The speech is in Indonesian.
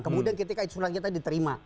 kemudian ketika surat nyata diterima